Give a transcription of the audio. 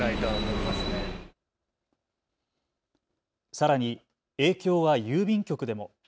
さらに影響は郵便局でも。